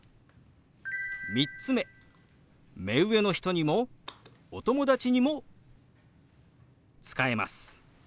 ３つ目目上の人にもお友達にも使えます。